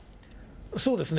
そうですね。